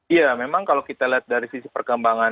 iya memang kalau kita lihat dari sisi perkembangan